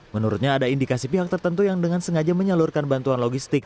menurutnya ada indikasi pihak tertentu yang dengan sengaja menyalurkan bantuan logistik